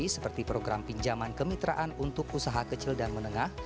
seperti program pinjaman kemitraan untuk usaha kecil dan menengah